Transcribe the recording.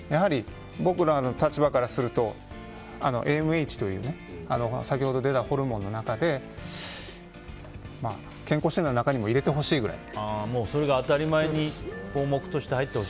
僕らの立場からするとＡＭＨというね先ほど出た、ホルモンの中で健康診断の中にも入れてほしいくらい。